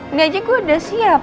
ini aja kok udah siap